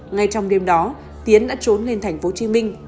ngay trong đêm đó tiến đã trốn lên tp hcm